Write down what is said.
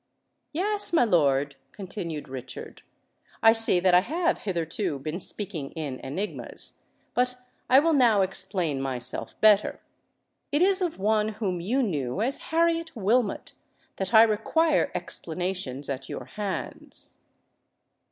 "Yes, my lord," continued Richard: "I see that I have hitherto been speaking in enigmas. But I will now explain myself better. It is of one whom you knew as Harriet Wilmot that I require explanations at your hands."